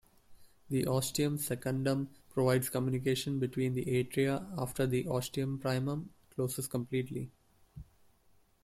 The ostium secundum provides communication between the atria after the ostium primum closes completely.